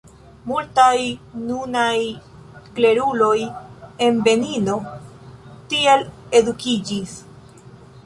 Multaj nunaj kleruloj en Benino tiel edukiĝis.